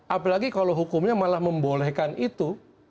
apalagi kalau hukumnya malah membolehkan itu